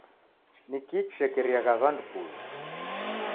Niki chishekeriagha w'andu kulwa?